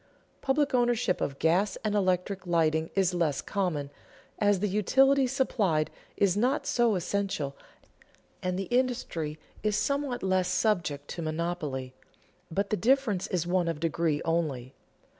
Public ownership of gas and electric lighting is less common, as the utility supplied is not so essential and the industry is somewhat less subject to monopoly; but the difference is one of degree only.